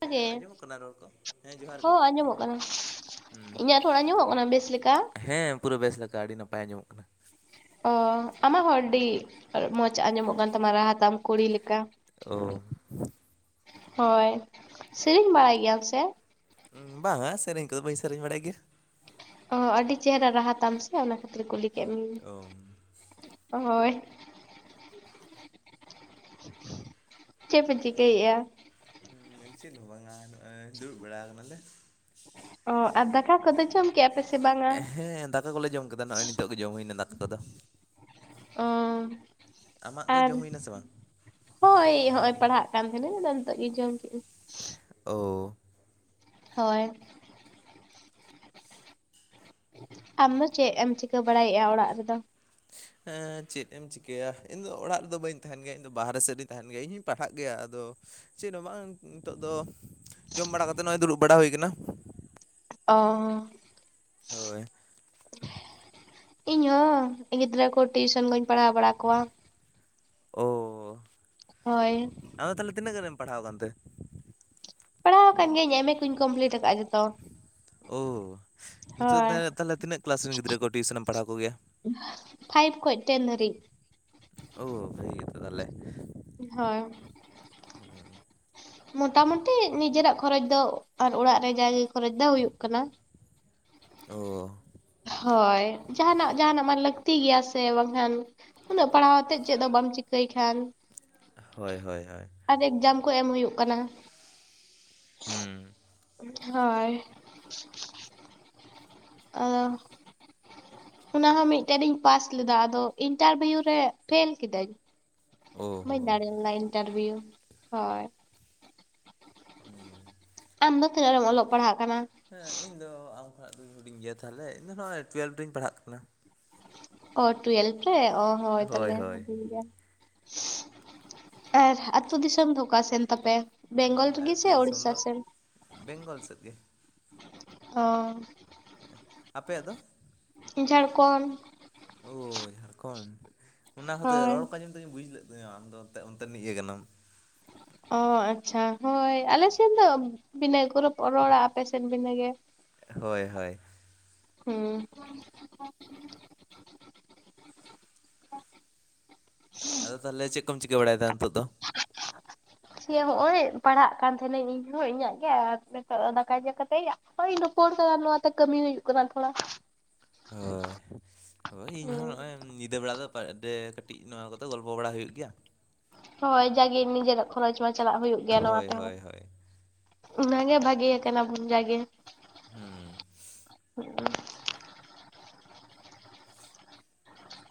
ᱦᱮᱸ ᱜᱮ ᱟᱡᱚᱢᱚᱜ ᱠᱟᱱᱟ ᱨᱚᱲ ᱠᱚ ᱦᱮᱸ ᱡᱚᱦᱟᱨ ᱜᱮ ᱾ ᱦᱚᱸ ᱟᱸᱡᱚᱢᱚᱜ ᱠᱟᱱᱟ᱾ ᱤᱧᱟᱹᱜ ᱨᱚᱲ ᱟᱡᱚᱢᱚᱜ ᱠᱟᱱᱟ ᱵᱮᱥ ᱞᱮᱠᱟ᱾ ᱦᱮᱸ ᱯᱩᱨᱟᱹ ᱵᱮᱥ ᱞᱮᱠᱟ ᱟᱹᱰᱤ ᱱᱟᱯᱟᱭ ᱟᱸᱡᱚᱢᱚᱜ ᱠᱟᱱᱟ᱾ ᱚ ᱟᱢᱟᱜ ᱦᱚᱸ ᱟᱹᱰᱤ ᱢᱚᱸᱡᱽ ᱟᱸᱡᱚᱢᱚᱜ ᱠᱟᱱ ᱛᱟᱢᱟ ᱨᱟᱦᱟ ᱛᱟᱢ ᱠᱩᱲᱤ ᱞᱮᱠᱟ᱾ ᱳᱻ ᱦᱳᱭ ᱥᱮᱨᱮᱧ ᱵᱟᱲᱟᱭ ᱜᱮᱭᱟᱢ ᱥᱮ? ᱩᱸ ᱵᱟᱝᱟ ᱥᱮᱨᱮᱧ ᱠᱚᱫᱚ ᱵᱟᱹᱧ ᱥᱮᱨᱮᱧ ᱵᱟᱲᱟᱭ ᱜᱮᱭᱟ᱾ ᱚᱦᱚ ᱟᱹᱰᱤ ᱪᱮᱦᱨᱟ ᱨᱟᱦᱟ ᱛᱟᱢ ᱥᱮ ᱚᱱᱟ ᱠᱷᱟᱹᱛᱤᱨ ᱠᱩᱞᱤ ᱠᱮᱫ ᱚ ᱢᱮᱤᱭᱟᱹ ᱦᱳᱭ᱾ ᱪᱮᱜ ᱯᱮ ᱪᱤᱠᱟᱹᱭᱮᱜᱼᱟ? ᱦᱩᱸ ᱪᱮᱫ ᱦᱚᱸ ᱵᱟᱝᱟ ᱱᱚᱜᱼᱚᱭ ᱫᱩᱲᱩᱵ ᱵᱟᱲᱟ ᱟᱠᱟᱱᱟᱞᱮ᱾ ᱚ ᱟᱨ ᱫᱟᱠᱟ ᱠᱚᱫᱚ ᱡᱚᱢ ᱠᱮᱜᱼᱟ ᱯᱮᱥᱮ? ᱦᱮᱸ ᱫᱟᱠᱟ ᱠᱚᱞᱮ ᱡᱚᱢ ᱠᱮᱫᱟ ᱱᱚᱜᱼᱚᱭ ᱱᱤᱛᱚᱜ ᱜᱮ ᱡᱚᱢ ᱦᱩᱭᱱᱟ ᱫᱟᱠᱟ ᱠᱚᱫᱚ᱾ ᱚ ᱟᱢᱟᱜ ᱫᱚ ᱟᱨ ᱡᱚᱢ ᱦᱩᱭᱱᱟ ᱥᱮ ᱵᱟᱝ? ᱦᱳᱭ ᱱᱚᱜᱼᱚᱭ ᱯᱟᱲᱦᱟᱜ ᱠᱟᱱ ᱛᱟᱦᱮᱱᱟᱹᱧ ᱟᱫᱚ ᱱᱤᱛᱚᱜ ᱜᱤᱧ ᱡᱚᱢ ᱠᱮᱫᱼᱟ᱾ ᱚᱻ ᱦᱳᱭ᱾ ᱟᱢᱫᱚ ᱪᱮᱫ ᱮᱢ ᱪᱤᱠᱟᱹ ᱵᱟᱲᱟᱭᱮᱫᱼᱟ ᱚᱲᱟᱜ ᱨᱮᱫᱚ? ᱮᱸ ᱪᱮᱫ ᱮᱢ ᱮᱢ ᱪᱤᱠᱟᱹᱭᱟ? ᱤᱧᱫᱚ ᱚᱲᱟᱜ ᱨᱮᱫᱚ ᱵᱟᱹᱧ ᱛᱟᱦᱮᱱ ᱜᱮᱭᱟ ᱤᱧᱫᱚ ᱵᱟᱦᱨᱮ ᱥᱮᱫ ᱨᱤᱧ ᱛᱟᱦᱮᱱ ᱜᱮᱭᱟ ᱤᱧ ᱦᱚᱧ ᱯᱟᱲᱦᱟᱜ ᱜᱮᱭᱟ ᱟᱫᱚ ᱪᱮᱫ ᱦᱚᱸ ᱵᱟᱝ ᱱᱤᱛᱚᱜ ᱫᱚ ᱡᱚᱢ ᱵᱟᱲᱟ ᱠᱟᱛᱮᱜ ᱱᱚᱜᱼᱚᱭ ᱫᱩᱲᱩᱵ ᱵᱟᱲᱟ ᱦᱩᱭ ᱟᱠᱟᱱᱟ᱾ ᱚ ᱦᱳᱭ᱾ ᱤᱧᱦᱚ ᱜᱤᱫᱽᱨᱟᱹ ᱠᱚ ᱴᱤᱭᱩᱥᱚᱱ ᱠᱩᱧ ᱯᱟᱲᱦᱟᱣ ᱵᱟᱲᱟ ᱠᱚᱣᱟ᱾ ᱳᱻ ᱦᱳᱭ᱾ ᱟᱫᱚ ᱛᱟᱦᱚᱞᱮ ᱛᱤᱱᱟᱹᱜᱟᱱ ᱮᱢ ᱯᱟᱲᱟᱣ ᱟᱠᱟᱱ ᱛᱮ? ᱯᱟᱲᱦᱟᱣ ᱟᱠᱟᱱ ᱜᱮᱭᱟᱹᱧ ᱮᱢ-ᱮ ᱠᱚᱧ ᱠᱚᱢᱯᱞᱤᱴ ᱟᱠᱟᱫᱼᱟ ᱡᱚᱛᱚ᱾ ᱚᱻ ᱱᱤᱛᱚᱜ ᱦᱳᱭ᱾ ᱫᱚ ᱛᱟᱦᱚᱞᱮ ᱛᱤᱱᱟᱹᱜ ᱠᱞᱟᱥ ᱨᱮᱱ ᱜᱤᱫᱽᱨᱟᱹ ᱠᱚ ᱴᱤᱭᱩᱥᱚᱱ ᱮᱢ ᱯᱟᱲᱦᱟᱹᱣ ᱠᱚᱜᱮᱭᱟ? ᱯᱷᱟᱭᱤᱵᱽ ᱠᱦᱚᱡ ᱴᱮᱱ ᱫᱷᱟᱹᱨᱤᱡ᱾ ᱳ ᱵᱷᱟᱜᱤ ᱜᱮᱛᱚ ᱛᱟᱦᱚᱞᱮ᱾ ᱦᱳᱭ᱾ ᱦᱩᱸ᱾ ᱢᱚᱴᱟ ᱢᱩᱴᱤ ᱱᱤᱡᱮᱨᱟᱜ ᱠᱷᱚᱨᱚᱪ ᱫᱚ ᱟᱨ ᱚᱲᱟᱜ ᱨᱮ ᱡᱟᱜᱮ ᱠᱷᱚᱨᱚᱪ ᱫᱚ ᱦᱩᱭᱩᱜ ᱠᱟᱱᱟ᱾ ᱚ ᱦᱳᱭ ᱡᱟᱦᱟᱱᱟᱜ ᱡᱟᱦᱟᱱᱟᱜ ᱢᱟ ᱞᱟᱹᱠᱛᱤ ᱜᱮᱭᱟ ᱥᱮ ᱵᱟᱝᱠᱷᱟᱱ ᱩᱱᱟᱹᱜ ᱯᱟᱲᱦᱟᱹᱣ ᱟᱛᱮᱫ ᱪᱮᱫ ᱦᱚᱸ ᱵᱟᱢ ᱪᱤᱠᱟᱹᱭ ᱠᱷᱟᱱ ᱦᱳᱭ ᱦᱳᱭ ᱦᱳᱭ᱾ ᱟᱨ ᱮᱠᱡᱟᱢ ᱠᱚ ᱮᱢ ᱦᱩᱭᱩᱜ ᱠᱟᱱᱟ᱾ ᱦᱩᱸ᱾ ᱦᱳᱭ᱾ ᱚ ᱚᱱᱟ ᱦᱚᱸ ᱢᱤᱜᱴᱮᱱ ᱨᱤᱧ ᱯᱟᱥ ᱞᱮᱫᱟ ᱟᱫᱚ ᱤᱱᱴᱟᱨᱵᱷᱤᱭᱩ ᱨᱮ ᱯᱷᱮᱞ ᱠᱤᱫᱟᱹᱧ᱾ ᱳ ᱦᱳ ᱵᱟᱹᱧ ᱫᱟᱲᱮ ᱞᱮᱱᱟ ᱤᱱᱴᱟᱨᱵᱤᱭᱩ ᱦᱳᱭ᱾ ᱦᱩᱸ᱾ ᱟᱢ ᱫᱚ ᱛᱤᱱᱟᱹᱜ ᱨᱮᱢ ᱚᱞᱚᱜ ᱯᱟᱲᱦᱟᱜ ᱠᱟᱱᱟ? ᱦᱮᱸ ᱤᱧ ᱫᱚ ᱟᱢ ᱠᱷᱚᱱᱟᱜ ᱫᱩᱧ ᱦᱩᱰᱤᱧ ᱜᱮᱭᱟ ᱛᱟᱦᱚᱞᱮ ᱤᱧ ᱫᱚ ᱱᱚᱜᱼᱚᱭ ᱴᱩᱭᱮᱞᱵᱷ ᱨᱤᱧ ᱯᱟᱲᱦᱟᱜ ᱠᱟᱱᱟ᱾ ᱚ ᱴᱩᱭᱮᱞᱵᱷ ᱨᱮ ᱚ ᱦᱚᱭ ᱦᱳᱭ ᱛᱟᱦᱚᱞᱮ ᱦᱳᱭ ᱦᱩᱰᱤᱧ ᱜᱮᱭᱟᱢ᱾ ᱟᱨ ᱟᱛᱩ ᱫᱤᱥᱚᱢ ᱫᱚ ᱚᱠᱟ ᱥᱮᱱ ᱛᱟᱯᱮ? ᱵᱮᱝᱜᱚᱞ ᱤᱧᱟᱹᱜ ᱨᱮᱜᱤ ᱟᱹᱛᱩ ᱥᱮ ᱫᱤᱥᱚᱢ ᱚᱲᱤᱥᱟ ᱫᱚ ᱥᱮᱱ? ᱵᱮᱝᱜᱚᱞ ᱥᱮᱫ ᱜᱮ᱾ ᱚ ᱦᱮ ᱟᱯᱮᱭᱟᱜ ᱫᱚ? ᱡᱷᱟᱲᱠᱷᱚᱸᱱ᱾ ᱳᱭ ᱡᱷᱟᱲᱠᱷᱚᱸᱱᱰ ᱚᱱᱟ ᱦᱚᱛᱚᱭᱟ ᱦᱳᱭ ᱨᱚᱲ ᱠᱚ ᱟᱸᱡᱚᱢ᱾ ᱠᱟᱛᱤᱧ ᱵᱩᱡ ᱞᱮᱫ ᱫᱚᱭᱟ ᱟᱫᱚ ᱚᱱᱛ ᱚᱱᱛᱮ ᱱᱤᱡ ᱜᱮ ᱠᱟᱱᱟᱢ᱾ ᱚ ᱟᱪᱪᱷᱟ ᱦᱳᱭ ᱟᱞᱮᱥᱮᱫ ᱫᱚ ᱵᱤᱱᱟᱹ ᱜᱚᱨᱚᱯ [inaudible] ᱨᱚᱲᱟ ᱟᱯᱮᱥᱮᱫ ᱵᱤᱱᱟᱹ ᱜᱮ᱾ ᱦᱳᱭ ᱦᱳᱭ᱾ ᱦᱩᱸ᱾ [inaudible] ᱟᱫᱚ ᱛᱟᱦᱮᱞᱮ ᱪᱮᱫ ᱠᱚᱢ ᱪᱤᱠᱟ ᱵᱟᱲᱟᱭᱫᱟ ᱱᱤᱛᱚᱜ ᱫᱚ? [inaudible] ᱦᱚᱸᱜᱼᱚᱭ ᱯᱟᱲᱦᱟᱜ ᱠᱟᱱ ᱛᱟᱦᱮᱱᱟᱹᱧ ᱤᱧᱦᱚᱸ ᱤᱧᱟᱹᱜ ᱜᱮ ᱟᱨ ᱱᱤᱛᱚᱜ ᱫᱟᱠᱟ ᱡᱚ ᱠᱟᱛᱮᱜ᱾ ᱦᱳᱭ ᱤᱧ ᱫᱚ [inaudible] ᱱᱚᱣᱟᱛᱮ ᱠᱟᱹᱢᱤ ᱦᱩᱭᱩᱜ ᱠᱟᱱᱟ ᱛᱷᱚᱲᱟ᱾ ᱦᱳᱭ ᱦᱳᱭ ᱤᱧᱦᱚᱸ ᱱᱚᱜᱼᱚᱭ᱾ ᱧᱤᱫᱟᱹ ᱵᱮᱲᱟ ᱫᱚ ᱯᱟᱴᱰᱮ ᱠᱟᱹᱴᱤᱡ ᱱᱚᱣᱟ ᱠᱚᱫᱚ ᱜᱚᱞᱯᱷᱚ ᱵᱟᱲᱟ ᱦᱩᱭᱩᱜ ᱜᱮᱭᱟ᱾ ᱦᱳᱭ ᱡᱟᱜᱮ ᱱᱤᱡᱮᱨᱟᱜ ᱠᱷᱚᱨᱚᱪ ᱢᱟ ᱪᱟᱞᱟᱜ ᱦᱩᱭᱩᱜ ᱜᱮᱭᱟ ᱱᱚᱣᱟ ᱦᱳᱭ ᱛᱮᱦᱚᱸ᱾ ᱦᱳᱭ ᱦᱳᱭ ᱚᱱᱟᱜᱮ ᱵᱷᱟᱹᱜᱮ ᱠᱟᱱᱟ ᱵᱚᱱ ᱡᱟᱜᱮ᱾ ᱦᱩᱸ᱾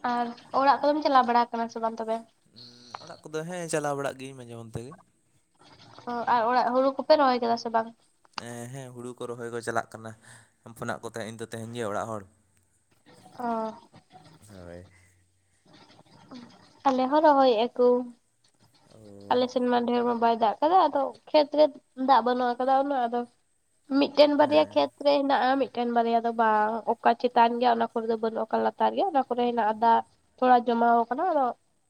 ᱟᱨ ᱚᱲᱟᱜ ᱠᱚᱫᱚᱢ ᱪᱟᱞᱟᱣ ᱵᱟᱲᱟ ᱠᱟᱱᱟ ᱥᱮ ᱵᱟᱝ ᱛᱚᱵᱮ? [inaudible] ᱚᱲᱟᱜ ᱠᱚᱫᱚ ᱦᱮᱸ ᱪᱟᱞᱟᱣ ᱵᱟᱲᱟᱜ ᱜᱤᱭᱟᱹᱧ ᱢᱟᱡᱷᱮ ᱢᱚᱫᱷᱮ ᱜᱮ᱾ ᱚ ᱟᱨ ᱚᱲᱟᱜ ᱦᱩᱲᱩ ᱠᱚᱯᱮ ᱨᱚᱦᱚᱭ ᱠᱮᱫᱟ ᱥᱮ ᱵᱟᱝ? ᱮ ᱦᱮᱸ ᱦᱩᱲᱩ ᱠᱚ ᱨᱚᱦᱚᱭ ᱠᱚ ᱪᱟᱞᱟᱜ ᱠᱟᱱᱟ ᱯᱳᱱᱟᱜ ᱠᱚ ᱛᱟᱦᱮᱸᱜ ᱛᱮᱦᱮᱧ ᱜᱮᱭᱟ ᱚᱲᱟᱜ ᱦᱚᱲ᱾ [inaudible] ᱚ᱾ ᱦᱳᱭ᱾ ᱟᱞᱮ ᱦᱚᱸ ᱨᱚᱦᱚᱭᱮᱜ-ᱟ ᱠᱩ᱾ ᱚ ᱟᱞᱮ ᱥᱮᱱ ᱢᱟ ᱰᱷᱮᱨ ᱢᱟ ᱵᱟᱭ ᱫᱟᱜ ᱟᱠᱟᱫᱟ ᱟᱫᱚ ᱠᱷᱮᱛᱨᱮ ᱫᱟᱜ ᱵᱟᱹᱱᱩᱜ ᱟᱠᱟᱫᱟ ᱩᱱᱟᱹᱜ ᱟᱫᱚ ᱢᱤᱫ ᱴᱮᱱ ᱵᱟᱨᱮᱭᱟ ᱦᱮᱸ ᱠᱷᱮᱛ᱾ ᱨᱮ ᱦᱮᱱᱟᱜᱼᱟ ᱢᱤᱫᱴᱮᱱ ᱵᱟᱨᱭᱟ ᱫᱚ ᱵᱟᱝ ᱚᱠᱟ ᱪᱮᱛᱟᱱ ᱜᱮᱭᱟ ᱚᱱᱟ ᱠᱚᱨᱮ ᱫᱚ ᱵᱟᱱᱩᱜ ᱚᱠᱟ ᱞᱟᱛᱟᱨ ᱜᱮᱭᱟ ᱚᱱᱟ ᱠᱚᱨᱮ ᱦᱮᱱᱟᱜᱼᱟ ᱫᱟᱜ᱾ ᱛᱷᱚᱲᱟ ᱡᱚᱢᱟᱣ ᱠᱟᱱᱟ ᱟᱫᱚ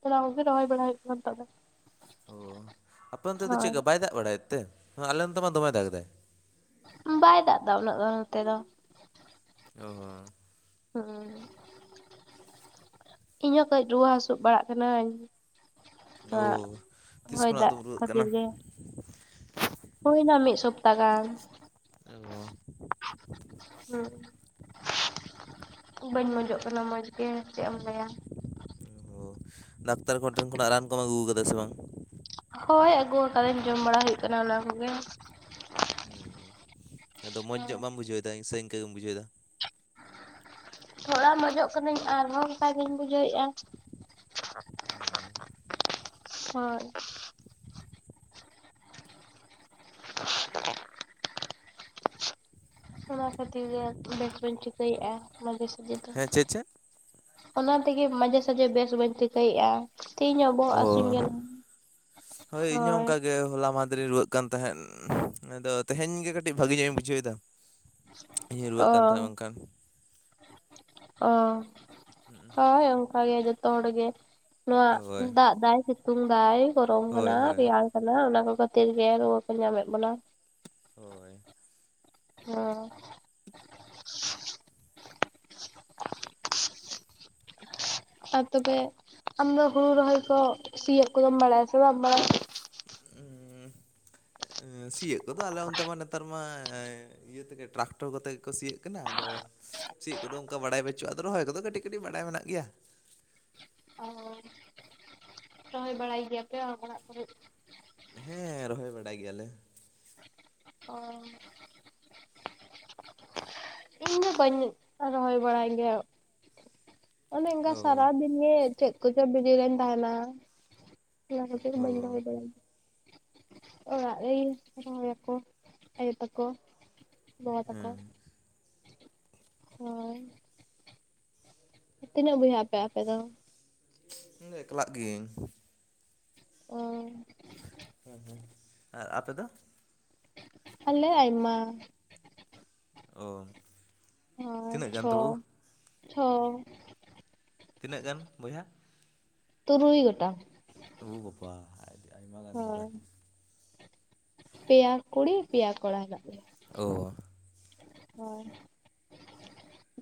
ᱚᱱᱟ ᱠᱚᱜᱮ ᱨᱚᱦᱚᱭ ᱵᱟᱲᱟ ᱦᱩᱭᱩᱜ ᱠᱟᱱᱟ ᱱᱤᱛᱚᱜ ᱫᱚ᱾ ᱚ ᱟᱯᱮ ᱚᱱᱛᱮ ᱫᱚ ᱦᱳᱭ ᱪᱮᱫᱠᱟ ᱵᱟᱭ ᱫᱟᱜ ᱵᱟᱲᱟᱭᱮᱫ ᱛᱮ? ᱟᱞᱮ ᱱᱚᱛᱮ ᱢᱟ ᱫᱚᱢᱮ ᱫᱟᱜ ᱮᱟᱭ᱾ ᱵᱟᱭ ᱫᱟᱜ ᱫᱟᱜ ᱩᱱᱟᱹᱜ ᱫᱚ ᱱᱚᱛᱮ ᱫᱚ᱾ [inaudible] [inaudible] ᱤᱧᱦᱚᱸ ᱠᱟᱹᱡ ᱨᱩᱣᱟᱹ ᱦᱟᱹᱥᱩ ᱵᱟᱲᱟᱜ ᱠᱟᱹᱱᱟᱹᱧ᱾ ᱚ ᱚᱣᱟᱜ ᱛᱤᱥ ᱦᱚᱭ ᱠᱷᱚᱱᱟᱜ ᱫᱟᱜ ᱫᱚᱢ ᱨᱩᱣᱟᱹᱜ ᱠᱟᱱᱟ ᱠᱷᱟᱹᱛᱤᱨ ᱜᱮ᱾ ᱦᱩᱭ ᱱᱟ ᱢᱤᱫ ᱥᱚᱯᱛᱟ ᱜᱟᱱ᱾ ᱦᱩᱸ ᱚ᱾ ᱵᱟᱹᱧ ᱢᱚᱸᱡᱚᱜ ᱠᱟᱱᱟ ᱢᱚᱡᱽ ᱜᱮ ᱪᱮᱫ ᱮᱢ ᱞᱟᱹᱭᱟ᱾ [inaudible] ᱰᱟᱠᱛᱟᱨ ᱠᱚ ᱴᱷᱮᱱ ᱠᱷᱚᱱᱟᱜ ᱨᱟᱱ ᱠᱚᱢ ᱟᱹᱜᱩ ᱟᱠᱟᱫᱟ ᱥᱮ ᱵᱟᱝ? ᱦᱳᱭ ᱟᱹᱜᱩ ᱟᱠᱟᱫᱟᱧ ᱡᱚᱢ ᱵᱟᱲᱟ ᱦᱩᱭᱩᱜ ᱠᱟᱱᱟ ᱚᱱᱟ ᱠᱚᱜᱮ᱾ ᱦᱩᱸ ᱟᱫᱚ ᱢᱚᱸᱡᱽ ᱦᱮᱸ ᱧᱚᱜ ᱵᱟᱢ ᱵᱩᱡᱷᱟᱹᱣᱮᱫᱟ ᱥᱮ ᱤᱱᱠᱟᱹ ᱜᱮᱢ ᱵᱩᱡᱷᱟᱹᱣᱮᱫᱟ? ᱛᱷᱚᱲᱟ ᱢᱚᱡᱚᱜ ᱠᱟᱹᱱᱟᱹᱧ ᱟᱨᱦᱚᱸ ᱟᱨ ᱦᱚᱸ ᱵᱩᱡᱷᱟᱹᱣᱮᱫᱼᱟ ᱦᱳᱭ᱾ ᱚᱱᱟ ᱠᱷᱟᱹᱛᱤᱨ ᱜᱮ ᱵᱮᱥ ᱵᱟᱧ ᱴᱷᱤᱠᱟᱹᱭᱮᱫᱼᱟ ᱢᱟᱡᱷᱮ ᱥᱟᱡᱮ ᱫᱚ᱾ ᱦᱮᱸ ᱪᱮᱫ ᱪᱮᱫ? ᱚᱱᱟ ᱛᱮᱜᱮ ᱢᱟᱡᱷᱮ ᱥᱟᱡᱮ ᱵᱮᱥ ᱵᱟᱹᱧ ᱴᱷᱤᱠᱟᱹᱭᱮᱫᱼᱟ᱾ ᱛᱤᱦᱤᱧ ᱦᱚᱸ ᱵᱚᱦᱚᱜ ᱚ ᱦᱟᱹᱥᱩᱧ ᱠᱟᱱᱟ ᱦᱳᱭ ᱤᱧ ᱦᱚᱸ ᱚᱱᱠᱟ ᱜᱮ ᱦᱚᱞᱟ ᱢᱟᱫᱷᱮᱨ ᱤᱧ ᱨᱩᱣᱟᱹᱜ ᱠᱟᱱ ᱛᱟᱦᱮᱸᱱ ᱟᱫᱚ ᱛᱮᱦᱮᱧ ᱜᱮ ᱠᱟᱹᱴᱤᱡ ᱵᱷᱟᱹᱜᱤ ᱧᱚᱜ ᱤᱧ ᱵᱩᱡᱷᱟᱹᱣᱮᱫᱟ᱾ ᱤᱧᱤᱧ ᱨᱩᱣᱟᱹᱜ ᱚ ᱠᱟᱱ ᱛᱟᱦᱮᱸᱜ ᱚᱱᱠᱟ ᱾ ᱚ ᱦᱳᱭ ᱵᱷᱟᱜᱮ ᱜᱮ ᱡᱚᱛᱚ ᱦᱚᱲ ᱜᱮ ᱱᱚᱣᱟ ᱦᱳᱭ ᱫᱟᱜ ᱫᱟᱭ ᱥᱤᱛᱩᱝ ᱫᱟᱭ ᱜᱚᱨᱚᱢ ᱦᱳᱭ ᱠᱟᱱᱟ ᱦᱳᱭ ᱨᱮᱭᱟᱲ ᱠᱟᱜ, ᱠᱟᱱᱟ ᱚᱱᱟ ᱠᱚ ᱠᱷᱟᱹᱛᱤᱨ ᱜᱮ ᱨᱩᱣᱟᱹ ᱠᱚ ᱧᱟᱢᱮᱜ ᱵᱚᱱᱟ᱾ ᱦᱳᱭ᱾ ᱦᱩᱸ᱾ [inaudible] ᱟ ᱛᱚᱵᱮ ᱟᱢ ᱫᱚ ᱦᱩᱲᱩ ᱨᱚᱦᱚᱭ ᱠᱚ ᱥᱤᱭᱮᱫ ᱠᱚᱫᱚᱢ ᱵᱟᱲᱟᱭᱟ ᱥᱮ ᱵᱟᱢ ᱵᱟᱲᱟᱭᱟ? ᱩᱻ ᱥᱤᱭᱳᱜ ᱠᱚᱫᱚ ᱟᱞᱮ ᱚᱱᱛᱮ ᱢᱟ ᱱᱮᱛᱟᱨ ᱢᱟ ᱮᱻ ᱤᱭᱟᱹ ᱛᱮᱜᱮ ᱴᱨᱟᱠᱴᱚᱨ ᱠᱚ ᱛᱮ ᱜᱮᱠᱚ ᱥᱤᱸᱭᱳᱜ ᱠᱟᱱᱟ ᱟᱫᱚ ᱥᱤᱭᱳᱜ ᱠᱚᱫᱚ ᱚᱱᱠᱟ ᱵᱟᱲᱟᱭ ᱵᱟᱹᱪᱩᱜᱼᱟ ᱟᱫᱚ ᱨᱚᱦᱚᱭ ᱠᱚᱫᱚ ᱠᱟᱹᱴᱤᱡ ᱠᱟᱹᱴᱤᱡ ᱵᱟᱰᱟᱭ ᱢᱮᱱᱟᱜ ᱜᱮᱭᱟ᱾ ᱚᱻ ᱨᱚᱦᱚᱭ ᱵᱟᱲᱟᱭ ᱜᱮᱭᱟᱯᱮ ᱟᱨ ᱚᱲᱟᱜ ᱠᱚᱨᱮ᱾ ᱦᱮᱸ ᱨᱚᱦᱚᱭ ᱵᱟᱲᱟᱭ ᱜᱮᱭᱟᱞᱮ᱾ ᱚ᱾ ᱤᱧ ᱫᱚ ᱵᱟᱹᱧ ᱨᱚᱦᱚᱭ ᱵᱟᱲᱟᱭ ᱜᱮᱭᱟ ᱚᱱᱮ ᱚᱱᱠᱟ ᱚ ᱥᱟᱨᱟᱫᱤᱱ ᱱᱤᱭᱟᱹ ᱪᱮᱫ ᱠᱚᱪᱚ ᱵᱤᱡᱤ ᱨᱮᱧ ᱛᱟᱦᱮᱸᱱᱟ ᱚᱱᱟ ᱠᱷᱟᱹᱛᱤᱨ ᱚ ᱵᱟᱹᱧ ᱨᱚᱦᱚᱭ ᱜᱮᱭᱟ᱾ ᱚᱲᱟᱜ ᱨᱮᱜᱮ ᱨᱚᱦᱚᱭ ᱟᱠᱚ ᱟᱭᱳ ᱛᱟᱠᱚ᱾ [unintelligible] ᱛᱟᱠᱚ ᱦᱮᱸ ᱦᱳᱭ ᱛᱤᱱᱟᱹᱜ ᱵᱚᱭᱦᱟᱹᱜᱟᱯᱮ ᱟᱯᱮ ᱫᱚ? ᱤᱧ ᱫᱚ ᱮᱠᱞᱟᱜ ᱜᱤᱭᱟᱹᱧ᱾ ᱚ᱾ ᱦᱮᱸ ᱟᱨ ᱟᱯᱮ ᱫᱚ? ᱟᱞᱮ ᱟᱭᱢᱟ, ᱚ ᱦᱳᱭ ᱛᱤᱱᱟᱹᱜ ᱜᱟᱱ ᱛᱟᱵᱚ ᱪᱷᱚ ᱪᱷᱚ᱾ ᱛᱤᱱᱟᱹᱜ ᱜᱟᱱ ᱵᱚᱭᱦᱟ? ᱛᱩᱨᱩᱭ ᱜᱚᱴᱟᱝ᱾ ᱳ ᱵᱟᱵᱟ ᱟᱹᱰᱤ ᱟᱭᱢᱟ ᱜᱟᱱ ᱫᱚ ᱦᱳᱭ ᱛᱟᱦᱚᱞᱮ᱾ ᱯᱮᱭᱟ ᱠᱩᱲᱤ ᱯᱮᱭᱟ ᱠᱚᱲᱟ ᱦᱮᱱᱟᱜ ᱞᱮᱭᱟ᱾ ᱳ᱾ ᱦᱚᱭ᱾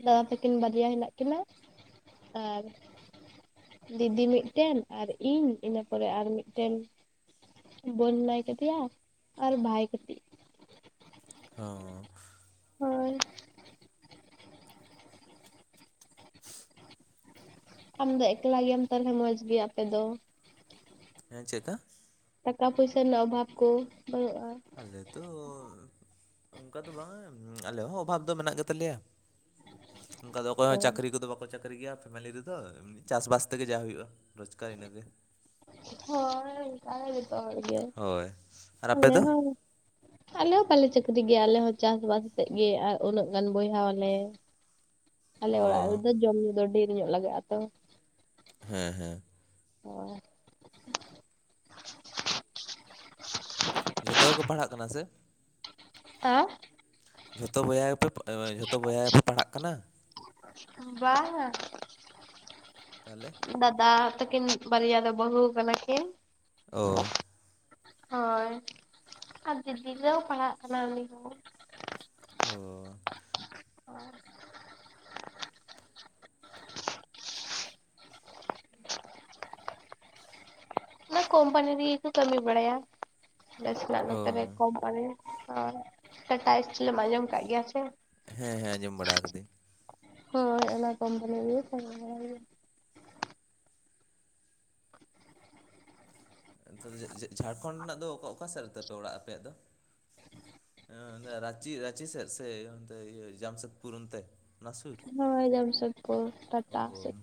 ᱫᱟᱫᱟ ᱛᱟᱹᱠᱤᱱ ᱵᱟᱨᱮᱭᱟ ᱦᱮᱱᱟᱜ ᱠᱤᱱᱟ ᱟᱨ ᱫᱤᱫᱤ ᱢᱤᱫᱴᱮᱱ ᱟᱨ ᱤᱧ ᱤᱱᱟᱹ ᱯᱚᱨᱮ ᱟᱨ ᱢᱤᱫᱴᱮᱱ ᱵᱳᱱ ᱢᱮᱱᱟᱭ ᱠᱟᱫᱮᱭᱟ ᱟᱨ ᱵᱷᱟᱭ ᱠᱟᱴᱤᱡ᱾ ᱦᱚᱸ᱾ ᱦᱳᱭ᱾ ᱟᱢ ᱫᱚ ᱮᱠᱞᱟ ᱜᱮᱭᱟᱢ ᱛᱟᱦᱚᱞᱮ ᱢᱚᱸᱡᱽ ᱜᱮ ᱟᱯᱮ ᱫᱚ᱾ ᱦᱮᱸ ᱪᱮᱜᱠᱟ? ᱴᱟᱠᱟ ᱯᱚᱭᱥᱟ ᱨᱮᱱᱟᱜ ᱚᱵᱷᱟᱵ ᱠᱚ ᱵᱟᱹᱱᱩᱜᱼᱟ ᱾ ᱟᱞᱮᱫᱚ᱾ ᱚᱱᱠᱟ ᱫᱚ ᱵᱟᱝ ᱟᱞᱮ ᱦᱚᱸ ᱚᱵᱷᱟᱵ ᱫᱚ ᱢᱮᱱᱟᱜ ᱜᱮᱛᱟᱞᱮᱭᱟ ᱚᱱᱠᱟ ᱫᱚ ᱚᱠᱚᱭ ᱦᱚᱸ ᱦᱳᱭ ᱪᱟᱹᱠᱨᱤ ᱠᱚᱫᱚ ᱵᱟ ᱠᱚ ᱪᱟᱹᱠᱨᱤ ᱜᱮᱭᱟ ᱯᱷᱮᱢᱮᱞᱤ ᱨᱮᱫᱚ ᱪᱟᱥᱵᱟᱥ ᱛᱮᱜᱮ ᱡᱟ ᱦᱩᱭᱩᱜᱼᱟ ᱨᱳᱡᱽᱜᱟᱨ ᱤᱱᱟᱹᱜᱮ᱾ ᱚᱱᱠᱟ ᱜᱮ ᱡᱚᱛᱚ ᱦᱚᱲ ᱜᱮ ᱦᱳᱭ ᱟᱨ ᱟᱯᱮ ᱟᱞᱮ ᱫᱚ? ᱦᱚᱸ ᱟᱞᱮ ᱦᱚᱸ ᱵᱟᱞᱮ ᱪᱟᱹᱠᱨᱤ ᱜᱮᱭᱟ ᱟᱞᱮ ᱦᱚᱸ ᱪᱟᱥᱵᱟᱥ ᱛᱮᱫ ᱜᱮ ᱟᱨ ᱩᱱᱟᱹᱜ ᱜᱟᱱ ᱵᱚᱭᱦᱟ ᱟᱞᱮ᱾ ᱟᱞᱮ ᱚᱲᱟᱜ ᱚ ᱨᱮᱫᱚ ᱡᱚᱢ ᱧᱩ ᱫᱚ ᱰᱷᱮᱨ ᱧᱚᱜ ᱞᱟᱜᱟᱜᱼᱟ ᱛᱚ ᱾ ᱦᱮᱸ ᱦᱮᱸ ᱾ ᱚ ᱾ ᱡᱷᱚᱛᱚ ᱜᱮᱠᱚ ᱯᱟᱲᱦᱟᱜ ᱠᱟᱱᱟ ᱥᱮ? ᱦᱮ? ᱡᱷᱚᱛᱚ ᱵᱚᱭᱦᱟ ᱜᱮᱯᱮ ᱯᱟ ᱡᱷᱚᱛᱚ ᱵᱚᱭᱦᱟ ᱜᱮᱯᱮ ᱯᱟᱲᱦᱟᱜ ᱠᱟᱱᱟ? ᱵᱟᱝᱟ [inaudible] ᱛᱟᱦᱚᱞᱮ? ᱫᱟᱫᱟ ᱛᱟᱹᱠᱤᱱ ᱵᱟᱨᱭᱟ ᱫᱚ ᱵᱟᱹᱦᱩ ᱠᱟᱱᱟ ᱠᱤᱱ᱾ ᱚ ᱾ ᱦᱳᱭ ᱟᱨ ᱫᱤᱫᱤ ᱫᱚᱭ ᱯᱟᱲᱦᱟ ᱠᱟᱱᱟᱭ ᱩᱱᱤ ᱦᱚᱸ᱾ ᱦᱚ ᱾ ᱚ ᱾ ᱚᱱᱟ ᱠᱳᱢᱯᱟᱱᱤ ᱨᱮᱜᱮ ᱠᱚ ᱠᱟᱹᱢᱤ ᱵᱟᱲᱟᱭᱟ, ᱟᱞᱮ ᱥᱮᱱᱟᱜ ᱚ ᱱᱚᱛᱮ ᱨᱮ ᱠᱚᱢ [unintelligible] ᱴᱟᱴᱟ ᱤᱥᱴᱤᱞ ᱮᱢ ᱟᱸᱡᱚᱢ ᱠᱟᱜ ᱜᱮᱭᱟ ᱥᱮ? ᱦᱮᱸ ᱦᱮᱸ ᱟᱸᱡᱚᱢ ᱵᱟᱲᱟ ᱟᱠᱟᱫᱟᱹᱧ᱾ ᱦᱳᱭ ᱚᱱᱟ ᱠᱳᱢᱯᱟᱱᱤ ᱨᱮᱜᱮ ᱠᱟᱢᱤ ᱠᱟᱱᱟᱭ᱾ ᱡᱮᱡᱮ ᱡᱷᱟᱲᱠᱷᱚᱸᱰ ᱨᱮᱱᱟᱜ ᱫᱚ ᱚᱠᱟ ᱚᱠᱟ ᱥᱮᱫᱨᱮ ᱛᱟᱯᱮ ᱚᱲᱟᱜ ᱟᱯᱮᱭᱟᱜ ᱫᱚ? ᱚᱱᱛᱮ ᱨᱟᱸᱪᱤ ᱨᱟᱸᱪᱤ ᱥᱮᱫ ᱥᱮ ᱚᱱᱛᱮ ᱤᱭᱟᱹ ᱡᱟᱢᱥᱮᱫᱽᱯᱩᱨ ᱚᱱᱛᱮ? ᱚᱱᱟ ᱥᱩᱨ? ᱦᱳᱭ ᱡᱟᱢᱥᱮᱫᱽᱯᱩᱨ ᱚ ᱴᱟᱴᱟ ᱥᱮᱫ ᱦᱚᱸ ᱾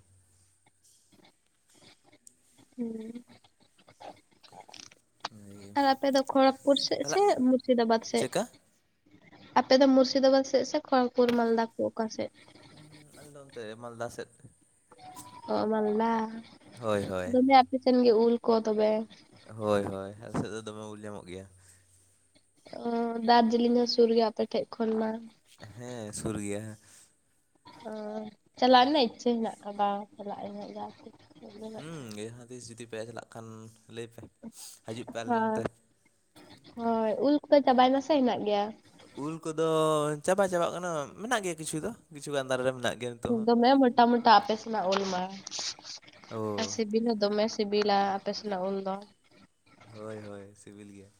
ᱦᱩᱸ ᱾ [inaudible] ᱟᱨ ᱟᱯᱮ ᱫᱚ ᱠᱷᱚᱲᱚᱜᱽᱯᱩᱨ ᱥᱮᱫ ᱛᱟᱦᱚᱞᱮ ᱥᱮ ᱢᱩᱨᱥᱤᱫᱟᱵᱟᱫᱽ ᱥᱮᱫ? ᱪᱮᱫᱠᱟ? ᱟᱯᱮᱫᱚ ᱢᱩᱨᱥᱤᱫᱟᱵᱟᱫᱽ ᱥᱮᱫ ᱥᱮ ᱠᱷᱚᱲᱚᱜᱽᱯᱩᱨ ᱢᱟᱞᱫᱟ ᱠᱚ ᱚᱠᱟ ᱥᱮᱫ? ᱦᱩᱸ ᱟᱞᱮᱫᱚ ᱚᱱᱛᱮ ᱢᱟᱞᱫᱟ ᱥᱮᱫ᱾ ᱚ ᱢᱟᱞᱫᱟ, ᱦᱳᱭ [inaudible] ᱦᱳᱭ ᱫᱚᱢᱮ ᱟᱯᱮ ᱥᱮᱱ ᱜᱮ ᱩᱞ ᱠᱚ ᱛᱚᱵᱮ᱾ ᱦᱳᱭ ᱦᱳᱭ ᱟᱞᱮ ᱥᱮᱫ ᱫᱚ ᱫᱚᱢᱮ ᱩᱞ ᱧᱟᱢᱚᱜ ᱜᱮᱭᱟ᱾ ᱚ ᱫᱟᱨᱡᱤᱞᱤᱝ ᱦᱚᱸ ᱥᱩᱨ ᱜᱮᱭᱟ ᱟᱯᱮᱴᱷᱮᱡ ᱠᱷᱚᱱ ᱢᱟ᱾ ᱦᱮᱸ ᱥᱩᱨ ᱜᱮᱭᱟ᱾ ᱚ ᱪᱟᱞᱟᱜ ᱨᱮᱱᱟᱜ ᱤᱪᱪᱷᱟᱹ ᱢᱮᱱᱟᱜ ᱟᱠᱟᱫᱟ, ᱪᱟᱞᱟᱜ ᱤᱧ ᱦᱟᱜ ᱡᱟᱦᱟᱸ ᱛᱤᱥ ᱾ ᱦᱮᱸ ᱡᱟᱦᱟᱸ ᱛᱤᱥ ᱡᱩᱫᱤ ᱯᱮ ᱪᱟᱞᱟᱜ ᱠᱷᱟᱱ ᱞᱟᱹᱭ ᱯᱮ᱾ ᱦᱤᱡᱩᱜ ᱯᱮ ᱟᱞᱮ ᱱᱚᱱᱛᱮ ᱦᱳᱭ [inaudible] ᱦᱳᱭ ᱩᱞ ᱠᱚᱫᱚ ᱪᱟᱵᱟᱭ ᱮᱱᱟ ᱥᱮ ᱦᱮᱱᱟᱜ ᱜᱮᱭᱟ? ᱩᱞ ᱠᱚᱫᱚ ᱪᱟᱵᱟ ᱪᱟᱵᱟᱜ ᱠᱟᱱᱟ, ᱢᱮᱱᱟᱜ ᱜᱮᱭᱟ ᱠᱤᱪᱷᱩ ᱫᱚ ᱠᱤᱪᱷᱩ ᱜᱟᱱ ᱫᱟᱨᱮ ᱨᱮ ᱢᱮᱱᱟᱜ ᱜᱮᱭᱟ᱾ ᱱᱤᱛᱚᱜ ᱦᱚᱸ ᱫᱚᱢᱮ ᱢᱚᱴᱟ ᱢᱚᱴᱟ ᱟᱯᱮ ᱥᱮᱫᱟᱜ ᱩᱞ ᱢᱟ, ᱚ [inaudible] ᱟᱨ ᱥᱤᱵᱤᱞ ᱦᱚᱸ ᱫᱚᱢᱮ ᱥᱤᱵᱤᱞᱟ ᱟᱯᱮ ᱥᱮᱱᱟᱜ ᱩᱞ ᱫᱚ᱾ ᱦᱳᱭ ᱦᱳᱭ ᱥᱤᱵᱤᱞ ᱜᱮᱭᱟ᱾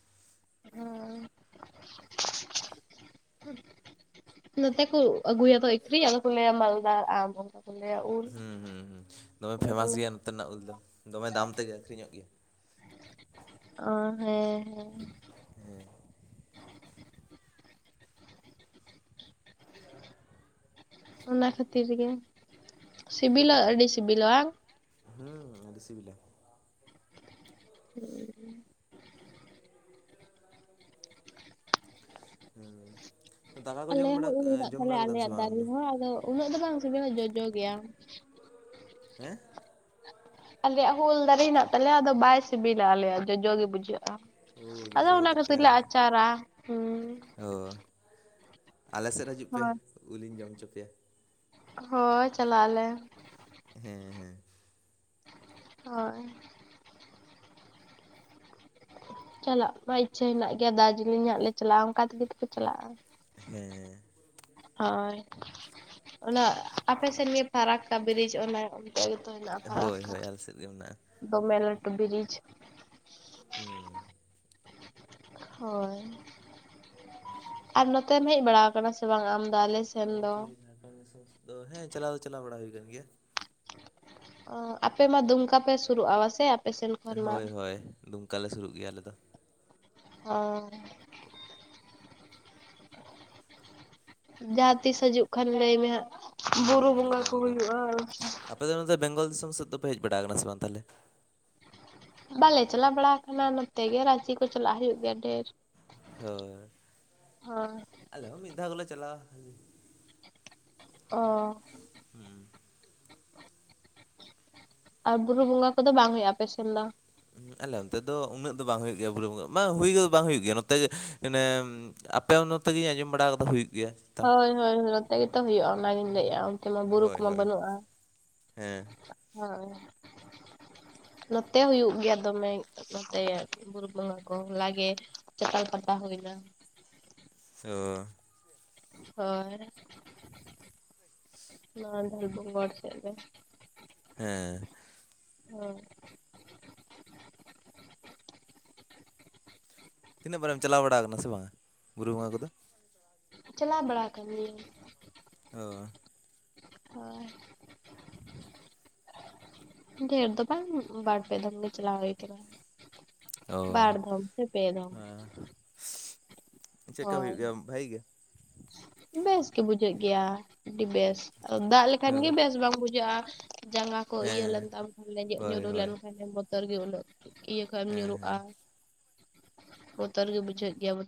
ᱦᱩᱸ ᱾ [inaudible] ᱱᱚᱛᱮ ᱠᱚ ᱟᱹᱜᱩᱭᱟ ᱛᱚ ᱟᱹᱠᱷᱨᱤᱧ ᱟᱫᱚ ᱠᱚ ᱞᱟᱹᱭᱟ ᱢᱟᱞᱫᱟᱨ ᱟᱢ᱾ ᱟᱞᱮᱭᱟᱜ ᱩᱞ ᱦᱩᱸ ᱦᱩᱸ ᱦᱩᱸ ᱫᱚᱢᱮ ᱟᱫᱚ ᱠᱚ ᱯᱷᱮᱢᱟᱥ ᱞᱟᱹᱭᱟ ᱜᱮᱭᱟ ᱱᱚᱛᱮᱱᱟᱜ ᱩᱞ ᱫᱚ, ᱫᱚᱢᱮ ᱫᱟᱢ ᱛᱮᱜᱮ ᱟᱹᱠᱷᱨᱤᱧᱚᱜ ᱜᱮᱭᱟ᱾ ᱚ ᱦᱮᱸ ᱦᱮᱸ ᱾ ᱚᱱᱟ ᱠᱷᱟᱹᱛᱤᱨ ᱜᱮ, [inaudible] ᱥᱤᱵᱤᱞᱟ ᱟᱹᱰᱤ ᱥᱤᱵᱤᱞᱟ ᱵᱟᱝ? ᱦᱩᱸ ᱟᱹᱰᱤ ᱥᱤᱵᱤᱞᱟ᱾ ᱦᱩᱸ ᱾ ᱦᱮᱸ ᱾ ᱟᱞᱮᱭᱟᱜ ᱦᱚᱸ ᱩᱞ ᱦᱮᱱᱟᱜ ᱛᱟᱞᱮᱭᱟ ᱟᱞᱮᱭᱟᱜ ᱟᱢ ᱫᱟᱨᱮ ᱫᱚ? ᱦᱚᱸ ᱟᱫᱚ ᱩᱱᱟᱹᱜ ᱫᱚ ᱵᱟᱝ ᱥᱤᱵᱤᱞᱟ ᱡᱚᱡᱚ ᱜᱮᱭᱟ᱾ [inaudible] ᱦᱮᱸ ᱟᱞᱮᱭᱟᱜ ᱦᱚᱸ ᱩᱞ ᱫᱟᱨᱮ ᱦᱮᱸᱱᱟᱜ ᱛᱟᱞᱮᱭᱟ ᱟᱫᱚ ᱵᱟᱭ ᱥᱤᱵᱤᱞᱟ ᱟᱞᱮᱭᱟᱜ ᱡᱚᱡᱚ ᱜᱮ ᱵᱩᱡᱷᱟᱹᱜ-ᱟ᱾ ᱳ ᱟᱫᱚ ᱡᱚᱡᱚ ᱚᱱᱟ ᱠᱷᱟᱹᱛᱤᱨ ᱜᱮᱛᱟᱯᱮᱭᱟ? ᱞᱮ ᱟᱪᱟᱨᱟ᱾ ᱦᱩᱸ ᱚ ᱟᱞᱮ ᱥᱮᱫ ᱦᱤᱡᱩᱜ ᱯᱮ, ᱦᱳᱭ ᱩᱞ ᱤᱧ ᱡᱚᱢ ᱦᱚᱪᱚ ᱯᱮᱭᱟ᱾ ᱦᱳᱭ ᱪᱟᱞᱟᱜ ᱟᱞᱮ᱾ ᱦᱮᱸ᱾ ᱦᱮᱸ ᱦᱳᱭ᱾ ᱪᱟᱞᱟᱜ ᱢᱟ ᱤᱪᱪᱷᱟᱹ ᱦᱮᱱᱟᱜ ᱜᱮᱭᱟ᱾ ᱫᱟᱨᱡᱤᱞᱤᱝ ᱦᱟᱸᱜ ᱞᱮ ᱪᱟᱞᱟᱜ-ᱟ ᱚᱱᱠᱟ ᱛᱮᱜᱮ ᱛᱚᱠᱚ ᱪᱟᱞᱟᱜ-ᱟ᱾ ᱦᱮᱸ᱾ ᱦᱳᱭ, ᱚᱱᱟ ᱟᱯᱮ ᱥᱮᱱ ᱜᱮ ᱯᱷᱟᱨᱟᱠᱠᱟ ᱵᱨᱤᱡᱽ ᱚᱱᱟ ᱚᱱᱰᱮ ᱜᱮᱛᱚ ᱦᱮᱱᱟᱜ ᱦᱮᱸ ᱦᱳᱭ ᱯᱷᱟᱨᱟᱠᱠᱟ, ᱦᱳᱭ ᱟᱞᱮ ᱥᱮᱫ ᱜᱮ ᱢᱮᱱᱟᱜᱼᱟ᱾ ᱫᱚᱢᱮ ᱞᱟᱹᱴᱩ ᱵᱨᱤᱡᱽ᱾ ᱦᱩᱸ᱾ ᱦᱳᱭ, ᱟᱨ ᱱᱚᱛᱮᱢ ᱦᱮᱡ ᱵᱟᱲᱟᱣ ᱠᱟᱱᱟ ᱥᱮ ᱵᱟᱝ ᱟᱢ ᱫᱚ ᱟᱞᱮ ᱥᱮᱱ ᱫᱚ ᱚᱱᱛᱮ ᱡᱷᱟᱲᱠᱷᱚᱸᱰ ᱫᱤᱥᱚᱢ ᱥᱮᱫ ᱫᱚ ᱦᱮᱸ ᱪᱟᱞᱟᱣ ᱫᱚ ᱪᱟᱞᱟᱣ ᱵᱟᱲᱟ ᱦᱩᱭ ᱠᱟᱱ ᱜᱮᱭᱟ᱾ ᱚᱻ ᱟᱯᱮ ᱢᱟ ᱫᱩᱢᱠᱟ ᱯᱮ ᱥᱩᱨᱩᱜ-ᱟ ᱵᱟ ᱥᱮ? ᱦᱳᱭ ᱦᱳᱭ, ᱫᱩᱢᱠᱟ ᱞᱮ ᱥᱩᱨᱩᱜ ᱜᱮᱭᱟ ᱟᱞᱮ ᱫᱚ᱾ ᱚᱻ᱾ ᱡᱟᱦᱟᱸ ᱛᱤᱥ ᱦᱤᱡᱩᱜ ᱠᱷᱟᱱ ᱞᱟᱹᱭ ᱢᱮ ᱦᱟᱸᱜ᱾ ᱦᱩᱸ ᱵᱩᱨᱩ ᱵᱚᱸᱜᱟ ᱮᱠᱫᱚᱢ ᱠᱚ ᱮᱠᱫᱚᱢ᱾ ᱦᱩᱭᱩᱜ-ᱟ᱾ ᱟᱯᱮ ᱫᱚ ᱱᱚᱛᱮ ᱵᱮᱝᱜᱚᱞ ᱫᱤᱥᱚᱢ ᱥᱮᱫ ᱫᱚᱯᱮ ᱦᱮᱡ ᱵᱟᱲᱟᱣ ᱠᱟᱱᱟ ᱥᱮ ᱵᱟᱝ ᱛᱟᱦᱚᱸᱞᱮ? ᱵᱟᱞᱮ ᱪᱟᱞᱟᱣ ᱵᱟᱲᱟᱣ ᱠᱟᱱᱟ᱾ ᱱᱚᱛᱮ ᱜᱮ ᱨᱟᱪᱤ᱾ ᱠᱚ ᱪᱟᱞᱟᱜ ᱦᱩᱭᱩᱜ ᱜᱮᱭᱟ ᱰᱷᱮᱨ᱾ ᱦᱳᱭ ᱦᱳᱭ ᱟᱞᱮ ᱦᱚᱸ ᱢᱤᱫ ᱫᱷᱟᱣ ᱫᱚᱞᱮ ᱪᱟᱞᱟᱜ-ᱟ᱾ ᱚᱻ᱾ ᱦᱩᱸ᱾ ᱟᱨ ᱵᱩᱨᱩ ᱵᱚᱸᱜᱟ ᱠᱚᱫᱚ ᱵᱟᱝ ᱦᱩᱭᱩᱜ-ᱟ ᱟᱯᱮᱥᱮᱱ ᱫᱚ? ᱟᱞᱮ ᱚᱱᱛᱮ ᱫᱚ ᱩᱱᱟᱹᱜ ᱫᱚ ᱵᱟᱝ ᱦᱩᱭᱩᱜ ᱜᱮᱭᱟ ᱵᱩᱨᱩ ᱵᱚᱸᱜᱟ, ᱵᱟᱝ ᱦᱩᱭ ᱠᱚᱫᱚ ᱵᱟᱝ ᱦᱩᱭᱩᱜ ᱜᱮᱭᱟ ᱱᱚᱛᱮ ᱜᱮ᱾ ᱮᱱᱮ ᱟᱯᱮ ᱚ ᱱᱚᱛᱮᱜᱤᱧ ᱟᱸᱡᱚᱢ ᱵᱟᱲᱟᱣ ᱠᱟᱫᱟ ᱦᱩᱭᱩᱜ ᱜᱮᱭᱟ᱾ ᱦᱳᱭ ᱦᱳᱭ ᱱᱚᱛᱮ ᱜᱮᱛᱚ ᱦᱩᱭᱩᱜ-ᱟ ᱚᱱᱟᱜᱤᱧ ᱞᱟᱹᱭ-ᱟ᱾ ᱛᱮᱢᱟ ᱵᱩᱨᱩ ᱦᱳᱭ ᱠᱚᱢᱟ ᱦᱳᱭ ᱵᱟᱹᱱᱩᱜ-ᱟ᱾ ᱦᱮᱸ ᱦᱳᱭ ᱱᱚᱛᱮ ᱦᱩᱭᱩᱜ ᱜᱮᱭᱟ ᱫᱚᱢᱮ, ᱱᱚᱛᱮ ᱵᱩᱨᱩ ᱵᱚᱸᱜᱟ ᱠᱚ ᱦᱚᱞᱟ ᱜᱮ ᱪᱟᱛᱟᱞ ᱯᱟᱛᱟ ᱦᱩᱭᱱᱟ᱾ ᱥᱚᱻ᱾ ᱦᱳᱭ᱾ [inaudible] ᱚᱱᱟ ᱫᱷᱟᱨᱮ ᱫᱚ ᱵᱟᱨ ᱥᱮᱫ ᱨᱮ ᱦᱮᱸ᱾ ᱦᱚᱸ᱾ ᱛᱤᱱᱟᱹᱜ ᱵᱟᱨᱮᱢ ᱪᱟᱞᱟᱣ ᱵᱟᱲᱟᱣ ᱠᱟᱱᱟ ᱥᱮ ᱵᱟᱝ-ᱟ᱾ ᱵᱩᱨᱩ ᱵᱚᱸᱜᱟ ᱠᱚᱫᱚ? ᱪᱟᱞᱟᱣ ᱵᱟᱲᱟᱣ ᱠᱟᱱ ᱜᱤᱭᱟᱹᱧ᱾ ᱚᱻ᱾ ᱦᱳᱭ᱾ [inaudible] ᱰᱷᱮᱨ ᱫᱚ ᱵᱟᱝ ᱵᱟᱨ ᱯᱮ ᱫᱚᱢ ᱜᱮ ᱪᱟᱞᱟᱣ ᱦᱩᱭ ᱠᱟᱱᱟ᱾ ᱵᱟᱨ ᱫᱷᱚᱢ ᱥᱮ ᱯᱮ ᱫᱷᱚᱢ᱾ ᱦᱟᱸ ᱦᱳᱭ, ᱵᱷᱟᱜᱮ ᱜᱮ ᱵᱮᱥ ᱜᱮ ᱵᱩᱡᱷᱟᱹᱜ ᱜᱮᱭᱟ ᱟᱹᱰᱤ ᱵᱮᱥ᱾ ᱫᱟᱜ ᱞᱮᱠᱷᱟᱱ ᱜᱮ ᱚ ᱵᱮᱥ ᱵᱟᱝ ᱵᱩᱡᱷᱟᱹᱜᱼᱟ᱾ ᱡᱟᱸᱜᱟ ᱠᱚ ᱤᱭᱟᱹ ᱞᱮᱱ ᱦᱮᱸ ᱛᱟᱢ ᱠᱷᱟᱱ ᱞᱮᱡᱮᱫ ᱦᱳᱭ ᱧᱩᱨᱩ ᱦᱳᱭ ᱞᱮᱱᱠᱷᱟᱱᱮᱢ ᱵᱚᱛᱚᱨ ᱜᱮ ᱩᱱᱟᱹᱜ ᱾ ᱤᱭᱟᱹ ᱠᱷᱚᱱ ᱮᱢ ᱦᱮᱸ ᱧᱩᱨᱩᱜᱼᱟ᱾ ᱦᱮᱸ ᱵᱚᱛᱚᱨ ᱜᱮ ᱵᱩᱡᱷᱟᱹᱜ ᱜᱮᱭᱟ᱾